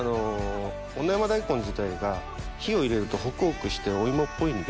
女山大根自体が火を入れるとホクホクしてお芋っぽいんで。